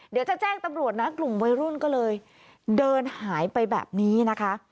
เดี๋ยวจะแจ้งตำรวจนะกลุ่มวัยรุ่นก็เลยเดินหายไปแบบนี้นะคะ